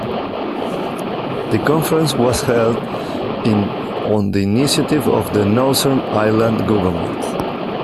The Conference was held on the initiative of the Northern Ireland Government.